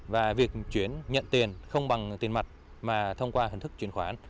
và việc chuyển nhận tiền không bằng tiền mặt mà thông qua hình thức chuyển khoản